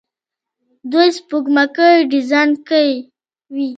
دوی سپوږمکۍ ډیزاین کوي.